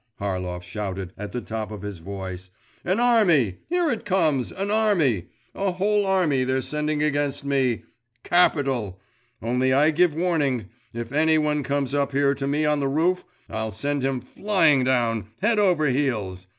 Harlov shouted at the top of his voice. 'An army … here it comes, an army! A whole army they're sending against me! Capital! Only I give warning if any one comes up here to me on the roof, I'll send him flying down, head over heels!